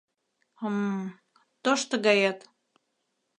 Хм-м, «тошто гает».